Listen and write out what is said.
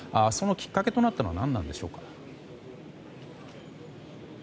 そのきっかけとなったのは何なんでしょうか？